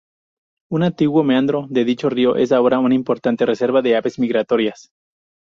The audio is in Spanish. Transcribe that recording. Un antiguo meandro de dicho río es ahora una importante reserva de aves migratorias.